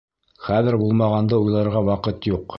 Хәҙер булмағанды уйларға ваҡыт юҡ.